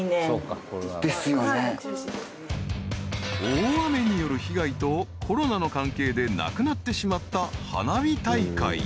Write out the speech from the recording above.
［大雨による被害とコロナの関係でなくなってしまった花火大会］